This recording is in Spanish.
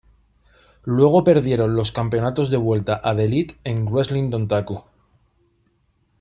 Luego perdieron los campeonatos de vuelta a The Elite en Wrestling Dontaku.